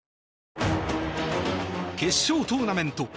決勝トーナメント